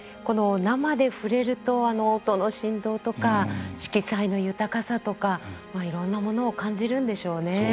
この生で触れるとあの音の振動とか色彩の豊かさとかいろんなものを感じるんでしょうね。